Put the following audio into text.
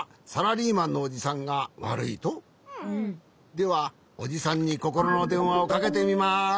ではおじさんにココロのでんわをかけてみます。